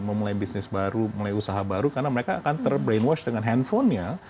mau mulai bisnis baru mulai usaha baru karena mereka akan ter brainwashed dengan handphonenya